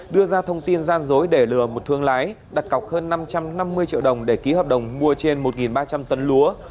đưa ra thông tin gian dối để lừa một thương lái đặt cọc hơn năm trăm năm mươi triệu đồng để ký hợp đồng mua trên một ba trăm linh tấn lúa